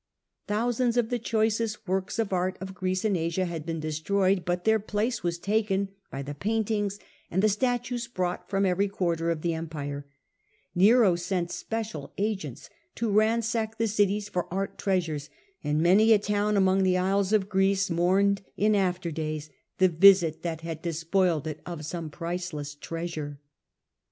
Thousands of the choicest works of art of Greece and Asia had been destroyed, but their place was taken by and fur paintings and the statues brought from nishedwith every quarter of the empire. Nero sent trea^rcs of Special agents to ransack the cities for art Greece. treasurcs, and many a town among the isles of Greece mourned in after days the visit that had des^ poiled it of some priceless treasure.